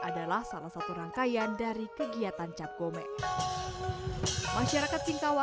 dan rasanya ini bukan masalah nominal